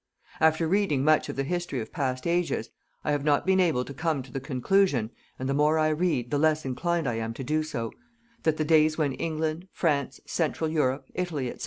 After reading much of the history of past ages, I have not been able to come to the conclusion and the more I read, the less inclined I am to do so that the days when England, France, Central Europe, Italy, &c.